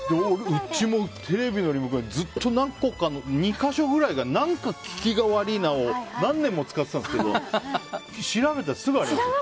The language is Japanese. うちテレビのリモコン２か所ぐらい何か利きが悪いなを何年か使っていたんですけど調べたらすぐありました。